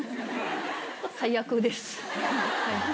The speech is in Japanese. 最悪です。